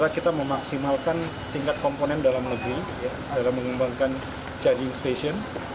kita memaksimalkan tingkat komponen dalam negeri dalam mengembangkan charging station